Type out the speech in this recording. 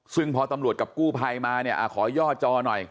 ซึ่งพอตำรวจกับกู้ภัยมาเนี่ยขอย่อจอหน่อย